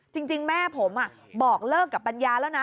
จริงแม่ผมบอกเลิกกับปัญญาแล้วนะ